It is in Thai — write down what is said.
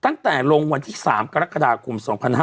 ตั้งแต่ลงวันที่๓กรกฎาคม๒๕๕๙